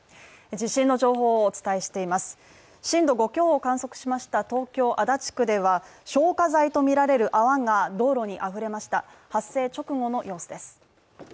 地震の情報をお伝えしています震度５強を観測しました東京足立区では消火剤とみられる泡が道路にあふれました発生直後の様子です。